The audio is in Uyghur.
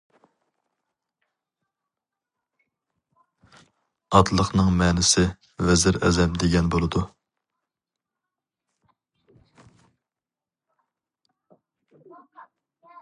ئاتىلىقنىڭ مەنىسى ۋەزىر ئەزەم دېگەن بولىدۇ.